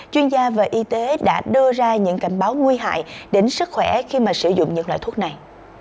chuyên gia về y tế đã đưa ra những cảnh báo nguy hại đến sức khỏe khi mà sử dụng những loại thuốc này